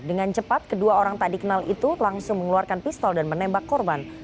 dengan cepat kedua orang tak dikenal itu langsung mengeluarkan pistol dan menembak korban